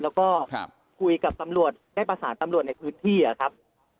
แล้วก็คุยกับตำรวจได้ประสานตำรวจในพื้นที่ครับ